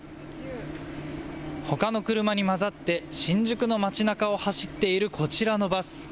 ほかの車に交ざって新宿の街なかを走っているこちらのバス。